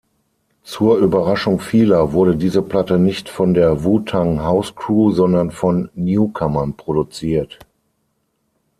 Zur Überraschung vieler wurde diese Platte nicht von der Wu-Tang-Hauscrew, sondern von Newcomern produziert.